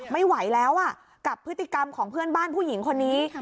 ไม่ไหวแล้วกับพฤติกรรมของเพื่อนบ้านผู้หญิงคนนี้